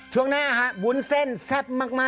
ช่วงหน้าบุ๋นเส้นซับมาก